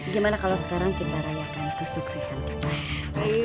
gimana kalau sekarang kita rayakan kesuksesan kita